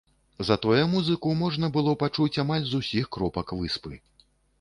Затое музыку можна было пачуць амаль з усіх кропак выспы.